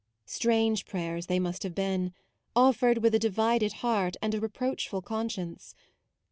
Strange prayers they must have been, offered with a divided heart and a reproachful conscience.